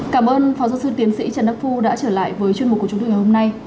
cảm ơn phó giáo sư tiến sĩ trần đắc phu đã trở lại với chuyên mục của chúng tôi ngày hôm nay